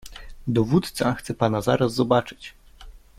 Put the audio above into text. "Dowódca chce pana zaraz zobaczyć."